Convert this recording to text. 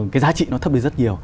cái giá trị nó thấp được rất nhiều